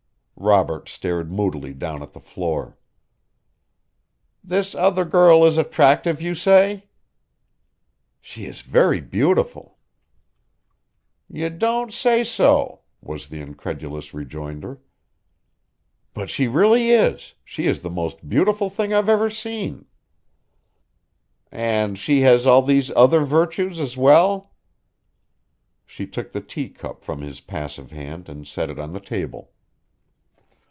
Robert stared moodily down at the floor. "This other girl is attractive, you say." "She is very beautiful." "You don't say so!" was the incredulous rejoinder. "But she really is she is the most beautiful thing I've ever seen." "And she has all these other virtues as well?" She took the teacup from his passive hand and set it on the table.